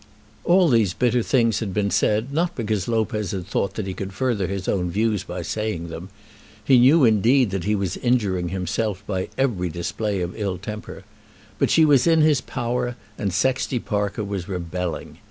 All these bitter things had been said, not because Lopez had thought that he could further his own views by saying them; he knew indeed that he was injuring himself by every display of ill temper; but she was in his power, and Sexty Parker was rebelling.